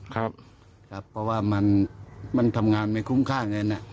เพราะว่ามันทำงานไม่คุ้มค่าเงินนะ